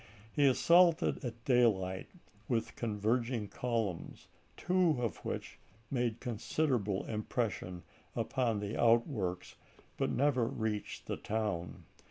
He assaulted at daylight with converging columns, two of which made con siderable impression upon the outworks, but never reached the town.